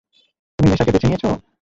তুমি নেশাকে বেছে নিয়েছো?